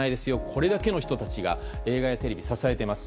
これだけの人たちが映画やテレビを支えています。